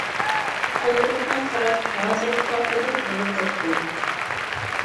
قوللىرىمغا قاراپ ھازىر پاختىدەك بولۇپ كەتتى.